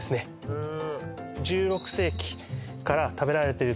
へえ